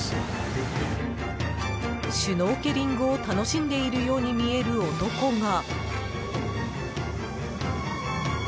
シュノーケリングを楽しんでいるように見える男が。